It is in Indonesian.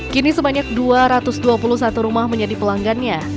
kini sebanyak dua ratus dua puluh satu rumah menjadi pelanggannya